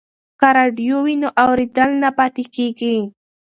که راډیو وي نو اورېدل نه پاتې کیږي.